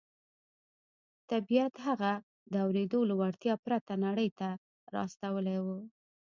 طبیعت هغه د اورېدو له وړتیا پرته نړۍ ته را استولی و